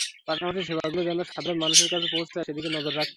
পাশাপাশি সেবাগুলো যেন সাধারণ মানুষের কাছে পৌঁছায়, সেদিকে নজর রাখতে হবে।